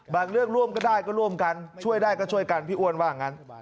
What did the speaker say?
เรื่องร่วมก็ได้ก็ร่วมกันช่วยได้ก็ช่วยกันพี่อ้วนว่างั้น